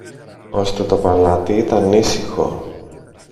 Ώστε το παλάτι ήταν ήσυχο.